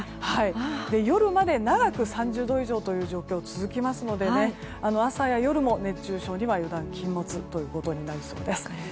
夜まで長く３０度以上という状況が続きますので朝や夜も熱中症には油断禁物となりそうです。